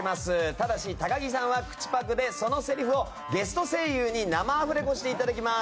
ただし、高木さんは口パクでそのせりふをゲスト声優に生アフレコしていただきます。